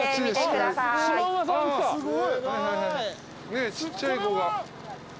ねえちっちゃい子が。